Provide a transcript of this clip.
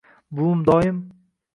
buvim doim: